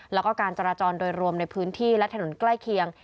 แล้วก็การจราจรโดยรวมในพื้นที่และถนนใกล้เคียง